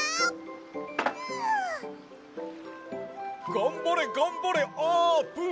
がんばれがんばれあーぷん！